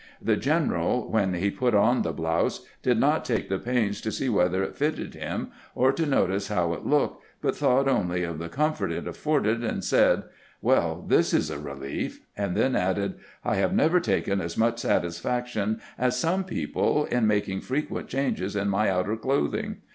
The general, when he put on the blouse, did not take the pains to see whether it fitted hun or to notice how it looked, but thought only of the comfort it afforded, and said, " Well, this is a relief," and then added :" I have never taken as much satisfaction as some people in making frequent changes in my outer clothing.